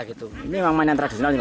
ini memang mainan tradisional